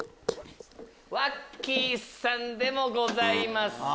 ワッキーさんでもございません。